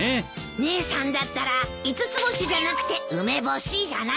姉さんだったら五つ星じゃなくて梅干しじゃない？